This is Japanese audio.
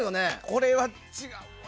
これは違うな。